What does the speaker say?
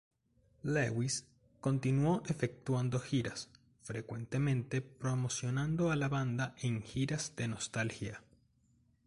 Lewis continuo efectuando giras, frecuentemente promocionando a la banda en giras de nostalgia.